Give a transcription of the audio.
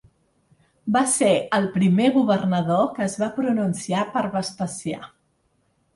Va ser el primer governador que es va pronunciar per Vespasià.